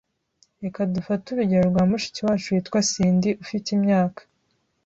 Reka dufate urugero rwa mushiki wacu witwa Cindy ufite imyaka